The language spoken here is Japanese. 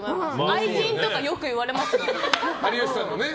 愛人とかよく言われます。